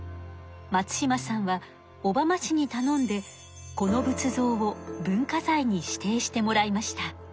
松島さんは小浜市にたのんでこの仏像を文化財に指定してもらいました。